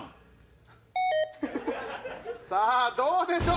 さあどうでしょう？